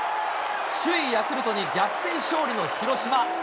首位ヤクルトに逆転勝利の広島。